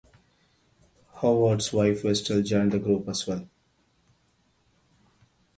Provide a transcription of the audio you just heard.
Howard's wife Vestal joined the group as well.